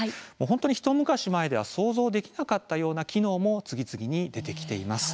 一昔前は想像もできなかったような機能も次々に出てきています。